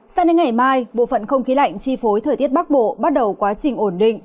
sao đến ngày mai bộ phận không khí lạnh chi phối thời tiết bắc bộ bắt đầu quá trình ổn định